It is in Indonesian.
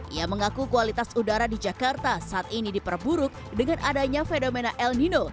ia mengaku kualitas udara di jakarta saat ini diperburuk dengan adanya fenomena el nino